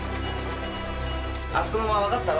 あそこの間分かったろ？